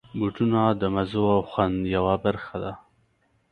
بوټونه د مزو او خوند یوه برخه ده.